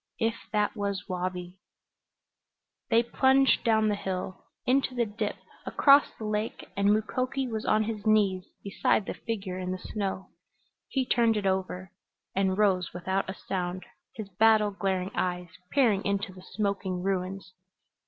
If it was Wabi They plunged down the hill, into the dip, across the lake, and Mukoki was on his knees beside the figure in the snow. He turned it over and rose without a sound, his battle glaring eyes peering into the smoking ruins.